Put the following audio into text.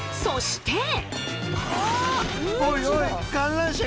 そして！